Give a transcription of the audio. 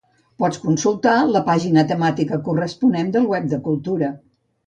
Pots consultar la pàgina temàtica corresponent del web de Cultura.